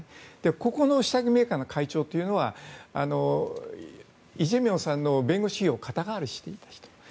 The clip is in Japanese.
個々の下着メーカーの会長というのはイ・ジェミョンさんの弁護士費用を肩代わりしていた人。